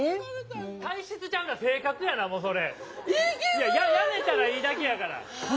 「いややめたらいいだけやから」。